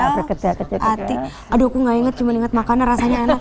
perkedel aduh aku nggak ingat cuma ingat makannya rasanya enak